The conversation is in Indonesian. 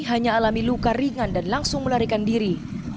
hanya alami luka ringan dan langsung melarikan diri